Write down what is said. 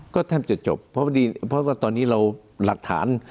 ก็แทบจะจบเพราะว่าตอนนี้เราหลักฐาน